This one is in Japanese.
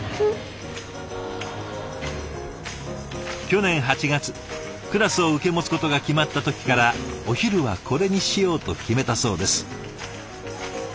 去年８月クラスを受け持つことが決まった時からお昼はこれにしようと決めたそうです。